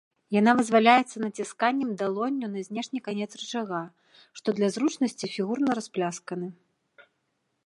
Яна вызваляецца націсканнем далонню на знешні канец рычага, што для зручнасці фігурна расплясканы.